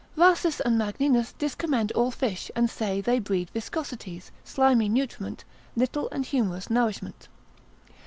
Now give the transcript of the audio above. _] Rhasis and Magninus discommend all fish, and say, they breed viscosities, slimy nutriment, little and humorous nourishment.